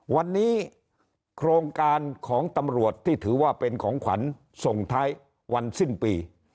วันนี้โครงการของตำรวจที่ถือว่าเป็นของขวัญส่งท้ายวันสิ้นปี